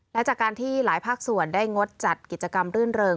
และจากการที่หลายภาคส่วนได้งดจัดกิจกรรมรื่นเริง